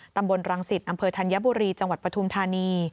ตำบลรังสิตอำเภอธัญบุรีจังหวัดปฐุมธานี